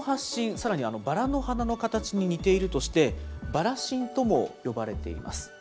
この発疹、さらにバラの花の形に似ているとして、バラ疹とも呼ばれています。